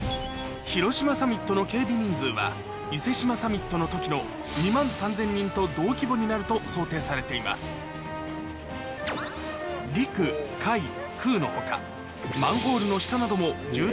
広島サミットの警備人数は伊勢志摩サミットの時の２万３０００人と同規模になると想定されていますの他